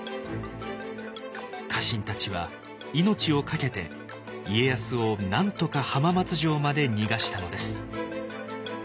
家臣たちは命をかけて家康をなんとか浜松城まで逃がしたのです。